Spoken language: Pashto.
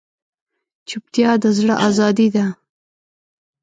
چوپتیا، د زړه ازادي ده.